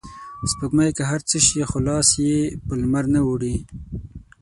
سپوږمۍ که هر څه شي خو لاس یې په لمرنه اوړي